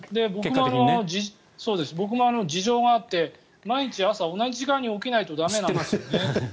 僕も事情があって毎日、朝同じ時間に起きないと駄目なんですよね。